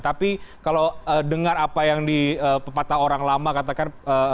tapi kalau dengar apa yang di pepatah orang lama katakan